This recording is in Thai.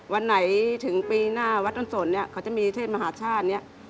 วันไหนถึงปีหน้าวัดต้นสนเนี่ยเขาจะมีเทศมหาชาติเนี่ย